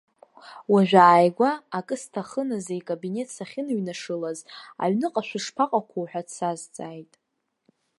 Уажәааигәа, акы сҭахын азы икабинет сахьыныҩнашылаз, аҩныҟа шәышԥаҟақәоу ҳәа дсазҵааит.